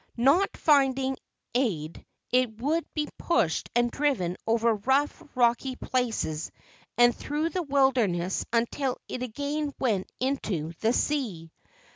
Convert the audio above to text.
Not finding aid, it would be pushed and driven over rough, rocky places and through the wilderness until it again went into the sea.